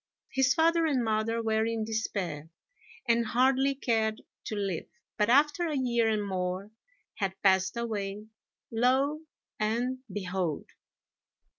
His father and mother were in despair, and hardly cared to live; but after a year and more had passed away, lo and behold!